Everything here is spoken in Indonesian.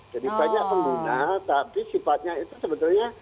jadi banyak pengguna tapi sifatnya itu sebetulnya